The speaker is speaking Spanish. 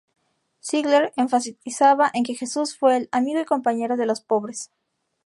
Ziegler enfatizaba en que Jesús fue el "amigo y compañero de los pobres".